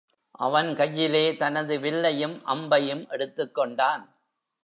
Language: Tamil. அவன் கையிலே தனது வில்லையும் அம்பையும் எடுத்துக்கொண்டான்.